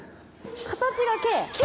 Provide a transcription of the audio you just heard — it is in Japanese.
形がＫ？